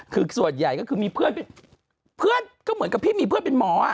คือส่วนใหญ่ก็คือมีเพื่อนก็เหมือนกับพี่มีเพื่อนเป็นหมอ